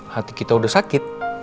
hati kita udah sakit